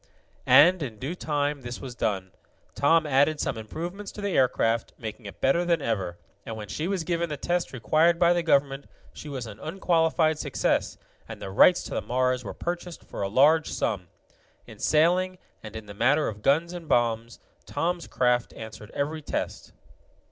And, in due time, this was done. Tom added some improvements to the aircraft, making it better than ever, and when she was given the test required by the government, she was an unqualified success, and the rights to the Mars were purchased for a large sum. In sailing, and in the matter of guns and bombs, Tom's craft answered every test.